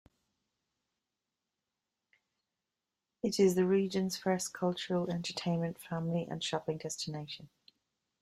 It is the region's first cultural, entertainment, family and shopping destination.